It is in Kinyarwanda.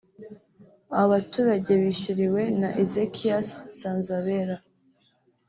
Aba baturage bishyuriwe na Ezechias Nsanzabera